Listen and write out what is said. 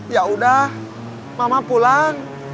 yaudah mama pulang